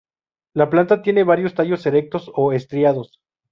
La planta tiene varios tallos erectos o estriados.